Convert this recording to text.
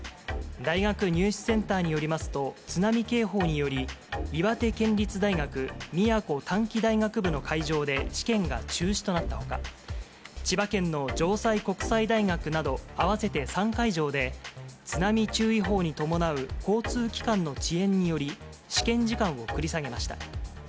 大学入試センターによりますと、津波警報により、岩手県立大学宮古短期大学部の会場で試験が中止となったほか、千葉県の城西国際大学など、合わせて３会場で、津波注意報に伴う交通機関の遅延により、試験時間を繰り下げました。